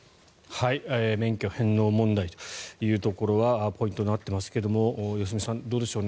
免許返納問題というところはポイントになっていますが良純さん、どうでしょう。